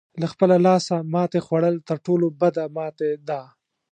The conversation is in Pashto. له خپله لاسه ماتې خوړل تر ټولو بده ماتې ده.